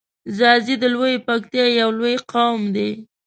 ځاځی د لویی پکتیا یو لوی قوم دی.